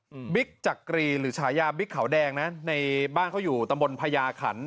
บิ๊กจักรีหรือฉายาบิ๊กขาวแดงนะในบ้านเขาอยู่ตำบลพญาขัน